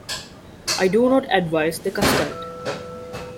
I do not advise the custard.